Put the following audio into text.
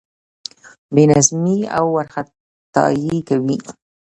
بې نظمي او وارخطايي کوي.